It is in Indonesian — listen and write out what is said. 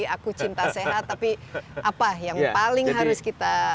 aku cinta sehat tapi apa yang paling harus kita